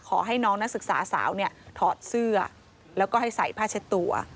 ขอให้น้องนักศึกษาสาวเนี่ยถอดเสื้อแล้วก็ให้ใส่ผ้าเช็ดตัว